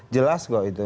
jelas kok itu